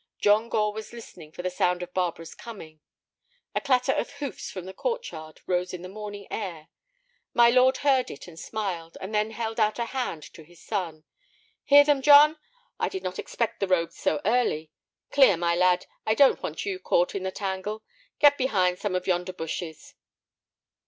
John Gore was listening for the sound of Barbara's coming. A clatter of hoofs from the court yard rose on the morning air. My lord heard it and smiled, and then held out a hand to his son. "Hear them, John! I did not expect the rogues so early. Clear, my lad; I don't want you caught in the tangle. Get behind some of yonder bushes."